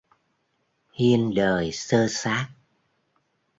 Hiên đời xơ xác